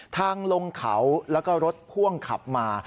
ทางลงเขาแล้วก็รถพ่วงขับมา